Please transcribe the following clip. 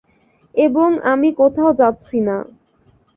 এবং আমক কোথাও যাচ্ছি না!